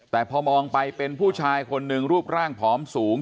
แต่พอมองไปเป็นผู้ชายคนหนึ่งรูปร่างผอมสูง